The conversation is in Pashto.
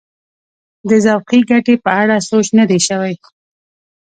د ذوقي ګټې په اړه سوچ نه دی شوی.